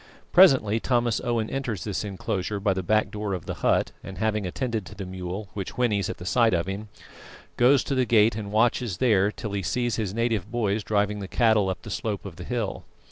Presently Thomas Owen enters this enclosure by the back door of the hut, and having attended to the mule, which whinnies at the sight of him, goes to the gate and watches there till he sees his native boys driving the cattle up the slope of the hill.